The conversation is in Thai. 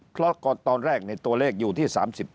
เพราะตอนแรกตัวเลขอยู่ที่๓๗